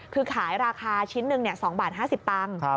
คือขายราคาชิ้นหนึ่ง๒บาท๕๐ตังค์